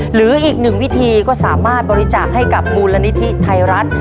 หรืออีกหนึ่งวิธีก็สามารถบริจาคให้กับมูลนิธิไทยรัฐ